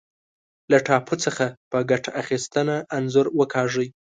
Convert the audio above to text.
له ټاپو څخه په ګټه اخیستنه انځور وکاږئ.